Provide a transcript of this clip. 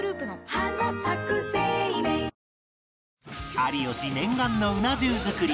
有吉念願のうな重作り